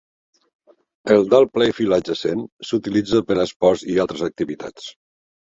El Dahl Playfield adjacent s"utilitza per a esports i altres activitats.